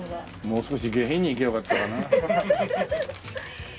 もう少し下品にいけばよかったかな。